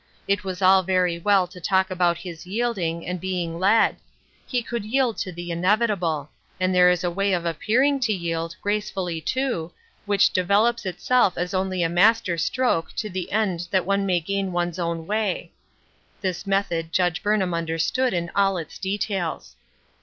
It was all very well to talk about his yielding, and being led ; he could yield to the inevitable ; and there is a way of appearing to yield, gracefully, too, which de velops itself as only a master stroke to the end that one may gain one's own way. This method Judge Burnham understood in all its details.